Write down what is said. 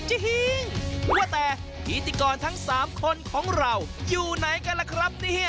จริงว่าแต่พิธีกรทั้ง๓คนของเราอยู่ไหนกันล่ะครับเนี่ย